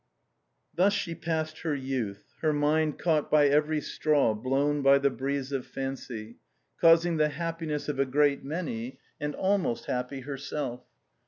Thus she passed her youth, her mind caught by every straw blown by the breeze of fancy, causing the happiness of a great many and almost happy herself.